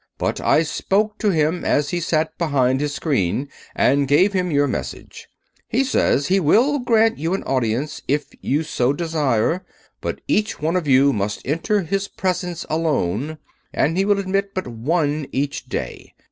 But I spoke to him as he sat behind his screen and gave him your message. He said he will grant you an audience, if you so desire; but each one of you must enter his presence alone, and he will admit but one each day.